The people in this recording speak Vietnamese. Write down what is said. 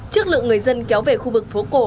trước lượng người dân kéo về khu vực phố cổ